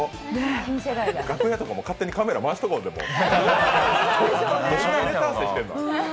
楽屋とかも勝手にカメラ回しとこう。